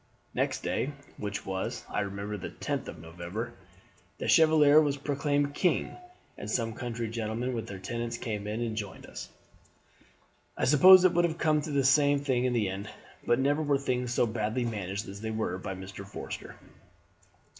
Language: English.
Next day, which was, I remember, the 10th of November, the Chevalier was proclaimed king, and some country gentlemen with their tenants came in and joined us. "I suppose it would have come to the same thing in the end, but never were things so badly managed as they were by Mr. Forster.